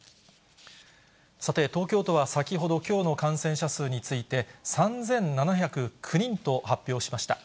さて、東京都は先ほど、きょうの感染者数について、３７０９人と発表しました。